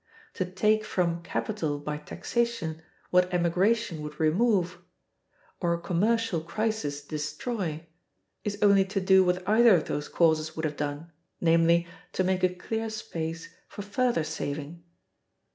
To take from capital by taxation what emigration would remove, or a commercial crisis destroy, is only to do what either of those causes would have done—namely, to make a clear space for further saving.